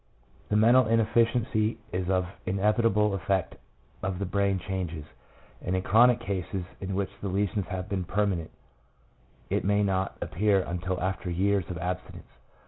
The mental inefficiency is an inevit able effect of the brain changes, and in chronic cases in which the lesions have been permanent, it may riot appear until after years of abstinence.